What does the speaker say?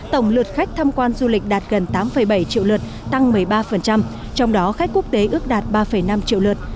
tổng lượt khách tham quan du lịch đạt gần tám bảy triệu lượt tăng một mươi ba trong đó khách quốc tế ước đạt ba năm triệu lượt